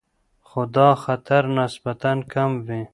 خو دا خطر نسبتاً کم وي.